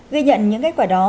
ghi nhận những kết quả đó